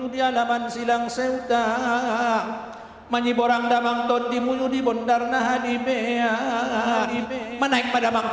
tentang prosesi ini saya ingin mengucapkan kepada anda